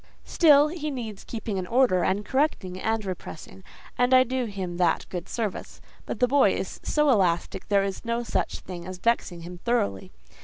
"Still he needs keeping in order, and correcting, and repressing, and I do him that good service; but the boy is so elastic there is no such thing as vexing him thoroughly.